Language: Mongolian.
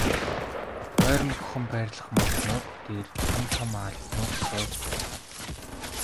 Ойрмогхон байрлах моднууд дээр том том аалзнууд сууж байна.